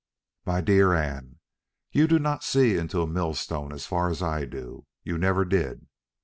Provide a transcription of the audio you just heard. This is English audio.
"My dear Anne, you do not see into a millstone as far as I do. You never did."